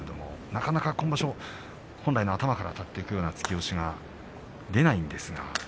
なかなか今場所、本来の頭からあたっていくような突き押しが出ません。